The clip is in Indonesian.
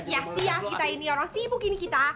ya siang kita ini orang sibuk ini kita